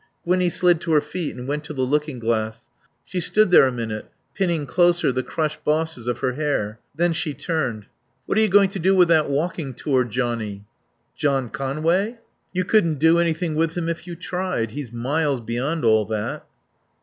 Gwinnie slid to her feet and went to the looking glass. She stood there a minute, pinning closer the crushed bosses of her hair. Then she turned. "What are you going to do with that walking tour johnnie?" "John Conway? You couldn't do anything with him if you tried. He's miles beyond all that."